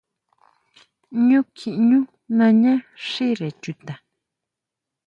Ñú kjiʼñú naña xire chuta.